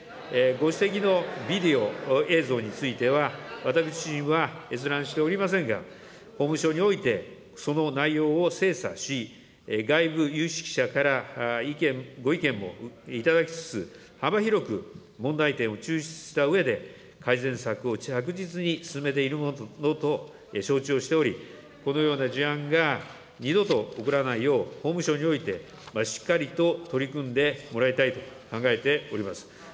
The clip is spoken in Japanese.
ご指摘のビデオ映像については、私は閲覧しておりませんが、法務省において、その内容を精査し、外部有識者からご意見も頂きつつ、幅広く問題点を抽出したうえで、改善策を着実に進めているものと承知をしており、このような事案が二度と起こらないよう、法務省においてしっかりと取り組んでもらいたいと考えております。